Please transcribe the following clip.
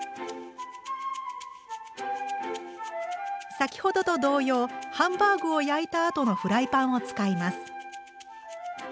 先ほどと同様ハンバーグを焼いたあとのフライパンを使います。